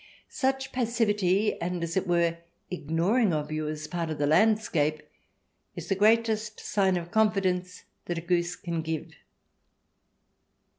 Such passivity and, as it were, ignoring of you as part of the landscape is the greatest sign of confi dence that a goose can give.